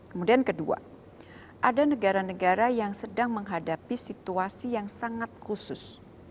kemudian kedua ada negara negara yang sedang menghadapi situasi yang sangat khusus